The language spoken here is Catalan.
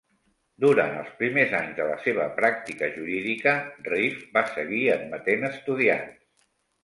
Durant els primers anys de la seva pràctica jurídica, Reeve va seguir admetent estudiants.